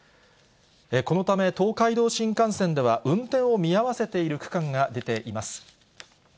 このため、東海道新幹線では運転を見合わせている区間が出ています。